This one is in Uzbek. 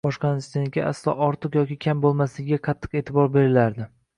boshqasiniki aslo ortiq yoki kam bo'lmasligiga qattiq e'tibor qilinardi